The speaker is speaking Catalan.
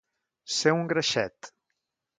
Ser un greixet.